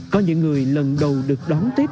có những người lần đầu được đón tết